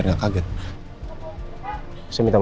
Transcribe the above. kemana mau udh bilmiyorum